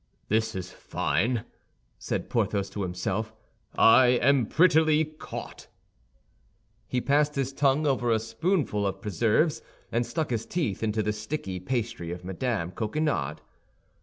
"This is fine!" said Porthos to himself; "I am prettily caught!" He passed his tongue over a spoonful of preserves, and stuck his teeth into the sticky pastry of Mme. Coquenard.